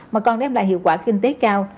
mà còn đem lại hiệu quả kinh tế cao